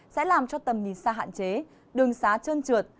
sẽ làm cho tầm nhìn xa hạn chế đường xá trơn trượt